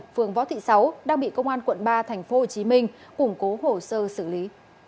phường võ thị sáu đang bị công an quận ba tp hcm củng cố hồ sơ xử lý